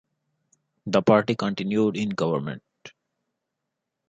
The party continued in government.